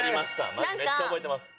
マジめっちゃ覚えています。